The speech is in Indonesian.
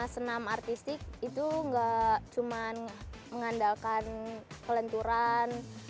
senam artistik itu gak cuman mengandalkan kelenturan